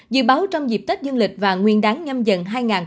dự báo trong dịp tết dương lịch và nguyên đáng nhâm dận hai nghìn hai mươi hai